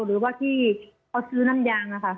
หรือว่าที่เขาซื้อน้ำยางนะคะ